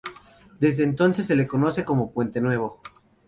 Desde entonces se le conoce como Puente Nuevo.